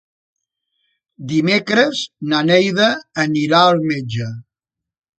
Dimecres na Neida anirà al metge.